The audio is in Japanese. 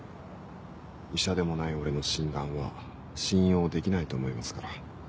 医者でもない俺の診断は信用できないと思いますから。